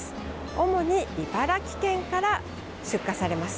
主に茨城県から出荷されます。